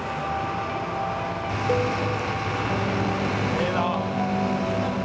ええな。